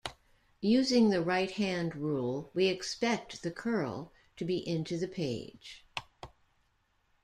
Using the right-hand rule, we expect the curl to be into the page.